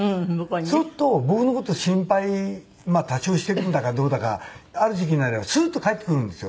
そうすると僕の事心配多少してるんだかどうだかある時期になりゃスーッと帰ってくるんですよ。